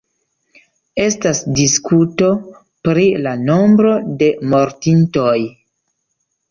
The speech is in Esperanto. Estas diskuto pri la nombro de mortintoj.